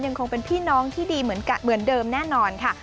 ยังคงเป็นพี่น้องที่ดีเหมือนเดิมแน่นอนค่ะ